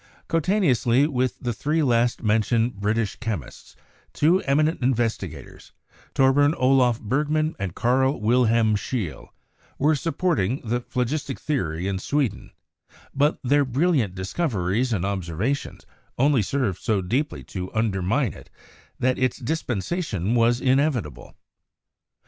Coetaneously with the three last mentioned British chemists, two eminent investigators, Torbern Olaf Berg man and Karl Wilhelm Scheele, were supporting the phlo gistic theory in Sweden, but their brilliant discoveries and observations only served so deeply to undermine it that its dispensation was inevitable.